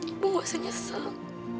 ibu gak senyesal